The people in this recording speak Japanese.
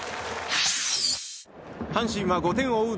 阪神は５点を追う